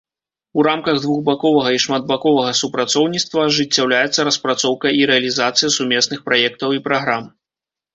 У рамках двухбаковага і шматбаковага супрацоўніцтва ажыццяўляецца распрацоўка і рэалізацыя сумесных праектаў і праграм.